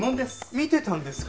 見てたんですか？